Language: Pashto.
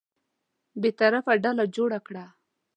بېطرفه ډله جوړه کړه.